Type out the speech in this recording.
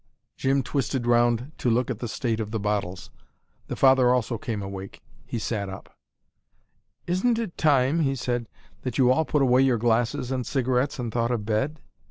Jim twisted round to look at the state of the bottles. The father also came awake. He sat up. "Isn't it time," he said, "that you all put away your glasses and cigarettes and thought of bed?"